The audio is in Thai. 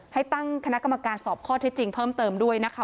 ให้ตั้งคณะกรรมการสอบข้อเท็จจริงเพิ่มเติมด้วยนะคะ